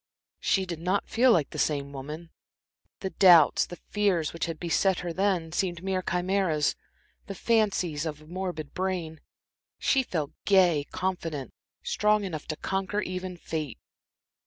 She did not feel like the same woman. The doubts, the fears, which had beset her then seemed mere chimeras, the fancies of a morbid brain. She felt gay, confident, strong enough to conquer even fate.